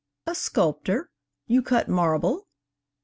'A sculptor! You cut marble?'